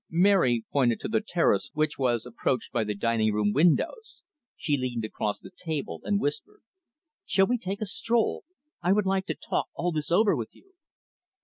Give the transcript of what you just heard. Mary pointed to the terrace which was approached by the dining room windows. She leaned across the table and whispered. "Shall we take a stroll? I would like to talk all this over with you."